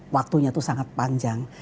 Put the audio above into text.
waktunya itu sangat panjang